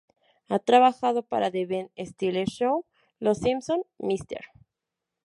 Ha trabajado para "The Ben Stiller Show", "Los Simpson", "Mr.